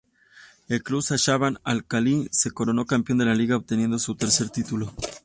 El club Shabab Al-Khalil se coronó campeón de la liga, obteniendo su tercer título.